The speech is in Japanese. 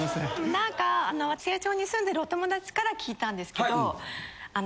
何か成城に住んでるお友達から聞いたんですけど。